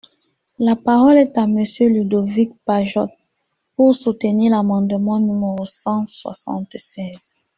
La parole est à Monsieur Ludovic Pajot, pour soutenir l’amendement numéro cent soixante-seize.